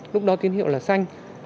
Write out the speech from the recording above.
lúc đó tín hiệu là xanh